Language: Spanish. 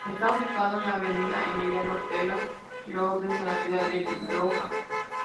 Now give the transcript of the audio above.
Está ubicado en la avenida Emiliano Ortega y Lourdes en la ciudad de Loja.